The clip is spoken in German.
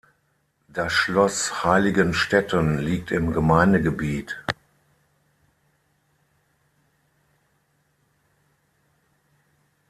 Das Schloss Heiligenstedten liegt im Gemeindegebiet.